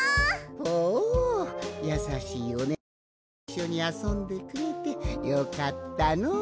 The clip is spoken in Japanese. ほうやさしいおねえさんがいっしょにあそんでくれてよかったのう。